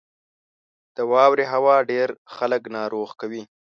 • د واورې هوا ډېری خلک ناروغ کوي.